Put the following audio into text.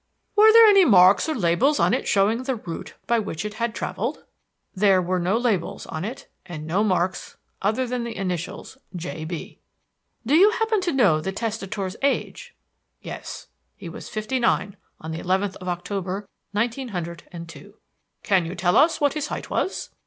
"Were there any marks or labels on it showing the route by which it had traveled?" "There were no labels on it and no marks other than the initials 'J. B.'" "Do you happen to know the testator's age?" "Yes. He was fifty nine on the eleventh of October, nineteen hundred and two." "Can you tell us what his height was?"